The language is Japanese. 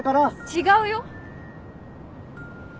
違うよ！